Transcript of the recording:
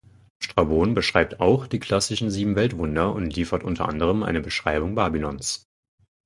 Strabon beschreibt auch die klassischen sieben Weltwunder und liefert unter anderem eine Beschreibung Babylons.